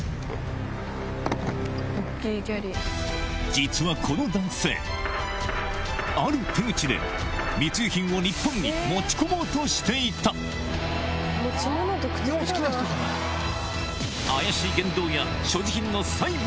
実はこの男性ある手口で密輸品を日本に持ち込もうとしていた日本のやつばっかり。